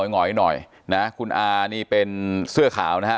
หอยหน่อยนะคุณอานี่เป็นเสื้อขาวนะฮะ